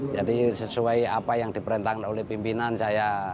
jadi sesuai apa yang diperintahkan oleh pimpinan saya